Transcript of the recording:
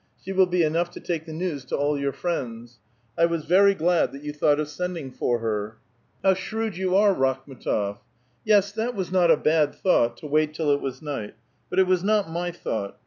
She will be enough to take the news to all your friends. I was very glad that yon thought of sending for her." 800 A VITAL QUESTION. *' How shrewd vou are, Rakhm^tof !"^^ Yes, tUat was not a bad thought — to wait till it was night ; but it was not my thought.